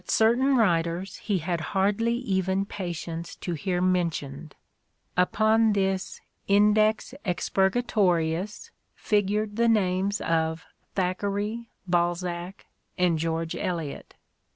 certain writers he had hardly even patience to hear mentioned : upon this Index Expurgatorius figured the names of Thackeray, Balzac and George Eliot.